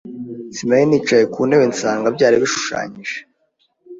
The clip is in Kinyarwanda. Sinari naricaye ku ntebe nsanga byari bishushanyije.